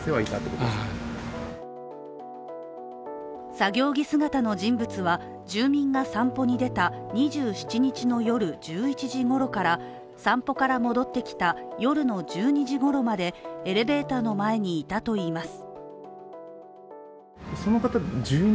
作業着姿の人物は、住民が散歩に出た２７日の夜１１時ごろから散歩から戻ってきた夜の１２時ごろまでエレベーターの前にいたといいます。